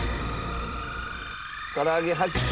から揚げ８。